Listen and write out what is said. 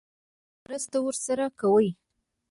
مرسته ورسره کوي.